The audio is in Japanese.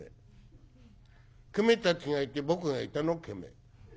『ケメたちがいて僕がいた』の『ケメ』。